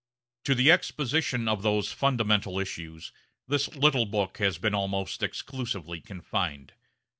To the exposition of those fundamental issues this little book has been almost exclusively confined.